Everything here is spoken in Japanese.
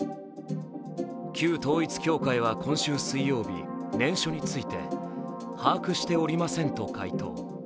旧統一教会は今週水曜日念書について把握しておりませんと回答。